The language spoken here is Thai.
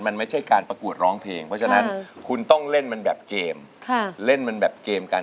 มันไม่ใช่การประกวดร้องเพลงเพราะฉะนั้นคุณต้องเล่นมันแบบเกม